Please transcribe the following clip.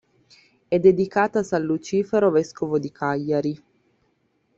È dedicata a san Lucifero vescovo di Cagliari.